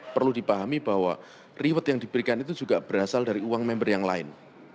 perlu dipahami bahwa reward yang diberikan itu juga berasal dari uang member yang lain